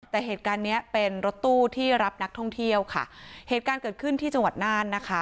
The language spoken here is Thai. แต่เหตุการณ์เนี้ยเป็นรถตู้ที่รับนักท่องเที่ยวค่ะเหตุการณ์เกิดขึ้นที่จังหวัดน่านนะคะ